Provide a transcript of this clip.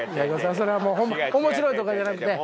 それは面白いとかじゃなくて。